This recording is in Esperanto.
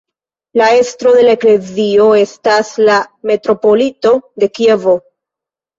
La estro de la eklezio estas la metropolito de Kievo.